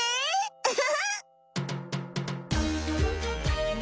ウフフ！